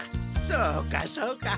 そうかそうか。